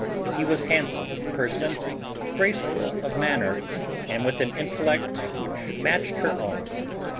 He was handsome of person, graceful of manner, and with an intellect which matched her own.